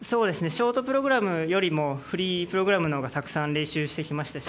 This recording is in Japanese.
ショートプログラムよりもフリープログラムのほうがたくさん練習してきましたし